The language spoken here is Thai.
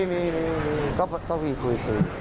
มีก็คุย